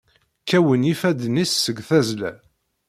Kkawen yifadden-is seg tazzla.